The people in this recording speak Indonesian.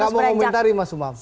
saya mau komentari mas umam